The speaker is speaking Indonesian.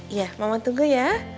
iya mama tunggu ya